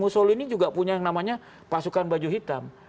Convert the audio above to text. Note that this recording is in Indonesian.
mussolini juga punya yang namanya pasukan baju hitam